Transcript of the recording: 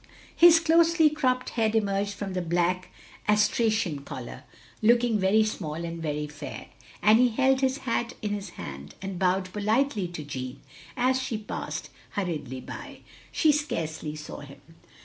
His closely cropped head emerged from the black astrachan collar, looking very small and very fair; and he held his hat in his hand, and bowed politely to Jeanne, as she passed hurriedly by. She scarcely saw him.